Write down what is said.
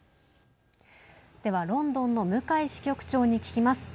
では、ロンドンの向井支局長に聞きます。